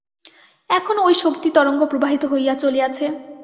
এখনও ঐ শক্তি-তরঙ্গ প্রবাহিত হইয়া চলিয়াছে।